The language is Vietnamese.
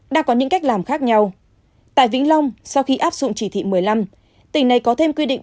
đã có những cách làm khác nhau tại vĩnh long sau khi áp dụng chỉ thị một mươi năm tỉnh này có thêm quy định